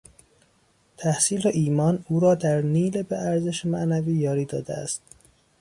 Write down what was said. تحصیل و ایمان، او را در نیل به ارزش معنوی یاری داده است.